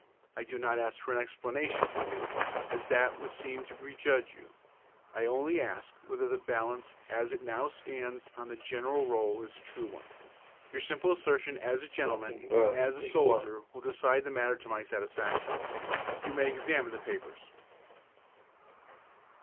I do not ask for an explanation from you, as that would seem to prejudge you. I only ask whether the balance as it now stands on the general roll is the true one. Your simple assertion as a gentleman and a soldier will decide the matter to my satisfaction. You may examine the papers."